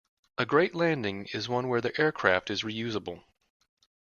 A great landing is one where the aircraft is reusable.